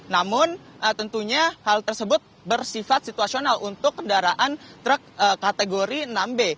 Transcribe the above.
namun tentunya hal tersebut bersifat situasional untuk kendaraan truk kategori enam b